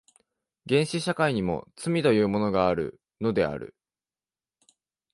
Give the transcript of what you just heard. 原始社会にも罪というものがあるのである。